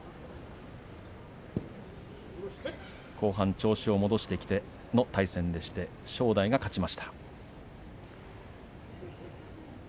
後半調子を戻してきての対戦で正代が勝ちました。